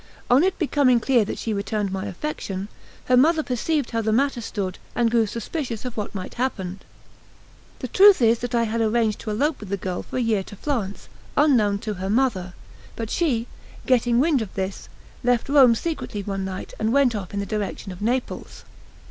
On it becoming clear that she returned my affection, her mother perceived how the matter stood, and grew suspicious of what might happen. The truth is that I had arranged to elope with the girl for a year to Florence, unknown to her mother; but she, getting wind of this, left Rome secretly one night, and went off in the direction of Naples.